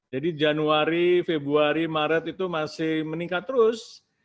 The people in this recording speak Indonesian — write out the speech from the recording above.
jadi januari februari maret itu masih meningkat terus